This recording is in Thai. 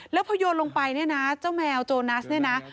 แล้วพอโยนลงไปนะเจ้าแมวโจนัสนะ